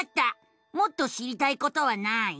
もっと知りたいことはない？